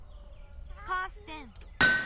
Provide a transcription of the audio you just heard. カーステン！